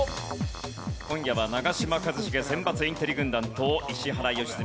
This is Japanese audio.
今夜は長嶋一茂選抜インテリ軍団と石原良純